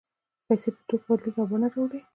پیسې په توکو بدلېږي او بڼه یې اوړي